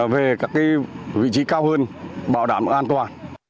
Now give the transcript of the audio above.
về các vị trí cao hơn bảo đảm an toàn